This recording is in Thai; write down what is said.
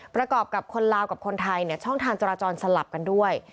ประกอบกับคนลาวกับคนไทยช่องทางจราจรสลับกันด้วย